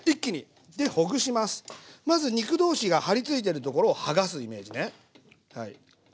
まず肉同士がはりついてるところをはがすイメージねはい。